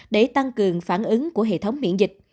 để tăng cường phản ứng của hệ thống miễn dịch